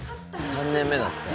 ３年目だって。